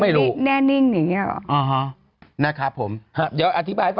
ภารกิจแน่นิ่งอย่างงี้เหรอ